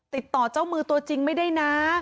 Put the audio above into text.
ติดต่อเจ้ามือตัวจริงไม่ได้นะ